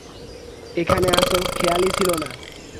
এখানে আছো খেয়ালই ছিল না।